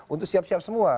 untuk siap siap semua